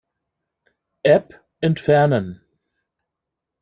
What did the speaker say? App entfernen.